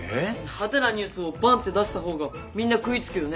派手なニュースをバンッて出した方がみんな食いつくよね？